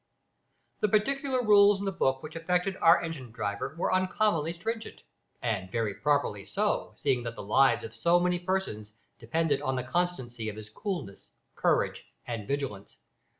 The particular rules in the book which affected our engine driver were uncommonly stringent, and very properly so, seeing that the lives of so many persons depended on the constancy of his coolness, courage, and vigilance.